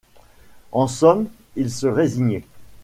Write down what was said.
En somme il se résignait.